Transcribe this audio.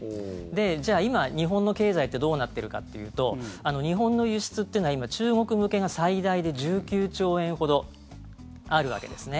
じゃあ今、日本の経済がどうなっているかというと日本の輸出というのは今、中国向けが最大で１９兆円ほどあるわけですね。